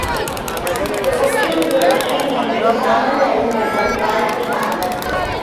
போற்றி போற்றி என்று தமிழறிஞர்கள் வாழ்த்தினார்கள்.